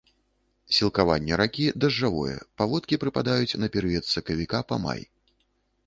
Сілкаванне ракі дажджавое, паводкі прыпадаюць на перыяд з сакавіка па май.